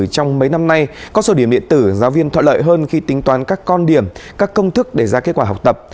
trong mấy năm nay có sổ điểm điện tử giáo viên thuận lợi hơn khi tính toán các con điểm các công thức để ra kết quả học tập